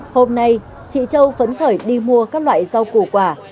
hôm nay chị châu phấn khởi đi mua các loại rau củ quả